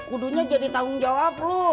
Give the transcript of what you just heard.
kudunya jadi tanggung jawab lu